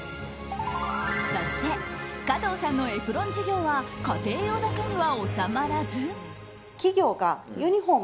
そして加藤さんのエプロン事業は家庭用だけには収まらず。